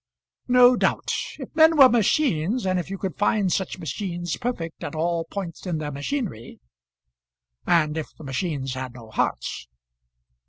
"No doubt; if men were machines, and if you could find such machines perfect at all points in their machinery." "And if the machines had no hearts?"